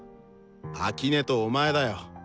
秋音とお前だよ。